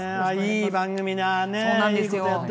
いい番組だね。